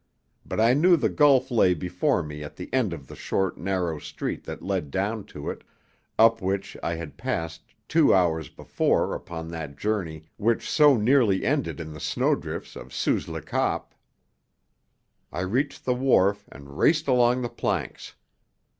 But I knew the gulf lay before me at the end of the short, narrow street that led down to it, up which I had passed two hours before upon that journey which so nearly ended in the snow drifts of Souse le Cap. I reached the wharf and raced along the planks.